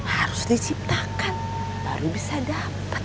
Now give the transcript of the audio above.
harus diciptakan baru bisa dapat